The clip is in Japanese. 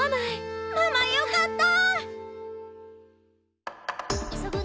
ママよかった！